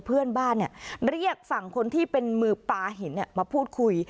เพื่อนบ้านเรียกฝั่งคนที่เป็นมือปลาหินมาพูดคุย